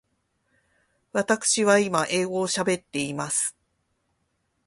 わたくしは今英語を喋っています。